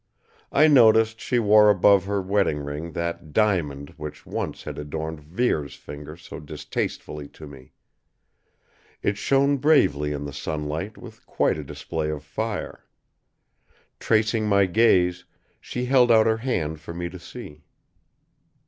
I noticed she wore above her wedding ring that "diamond" which once had adorned Vere's finger so distastefully to me. It shone bravely in the sunlight with quite a display of fire. Tracing my gaze, she held out her hand for me to see.